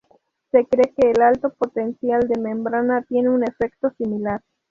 Se cree que el alto potencial de membrana tiene un efecto similar.